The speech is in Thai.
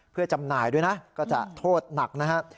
เพื่อจำหน่ายด้วยนะก็จะโทษหนักนะครับ